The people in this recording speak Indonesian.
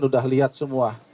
sudah lihat semua